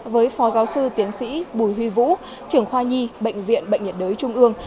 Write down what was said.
với phó giáo sư tiến sĩ bùi huy vũ trưởng khoa nhi bệnh viện bệnh nhiệt đới trung ương